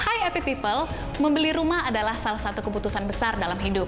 hai happy people membeli rumah adalah salah satu keputusan besar dalam hidup